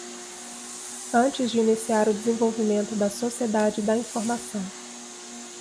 Antes de iniciar o desenvolvimento da Sociedade da Informação.